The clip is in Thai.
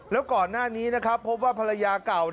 แล้วก่อนหน้านี้นะครับพบว่าภรรยาเก่า